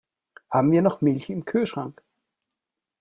Haben wir noch Milch im Kühlschrank?